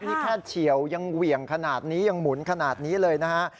นี่แค่เฉียวยังเหวี่ยงขนาดนี้ยังหมุนขนาดนี้เลยนะฮะ